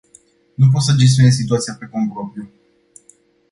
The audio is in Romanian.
Nu pot să gestioneze situația pe cont propriu.